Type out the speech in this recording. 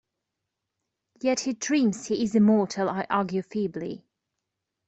Yet he dreams he is immortal, I argue feebly.